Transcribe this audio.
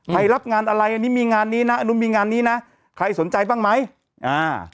รับงานอะไรอันนี้มีงานนี้นะอันนู้นมีงานนี้นะใครสนใจบ้างไหมอ่า